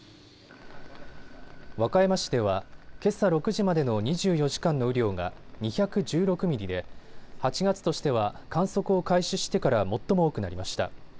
和歌山市では、けさ６時までの２４時間の雨量が２１６ミリで８月としては観測を開始してから最も多くなりました。